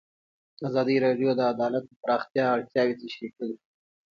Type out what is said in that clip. ازادي راډیو د عدالت د پراختیا اړتیاوې تشریح کړي.